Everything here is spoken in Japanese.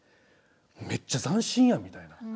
めっちゃ斬新やん」みたいな。